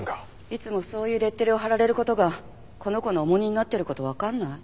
いつもそういうレッテルを貼られる事がこの子の重荷になってる事わかんない？